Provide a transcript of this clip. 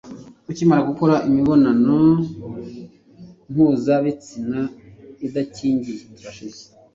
ukimara gukora imibonano mpuza bitsina idakingiye,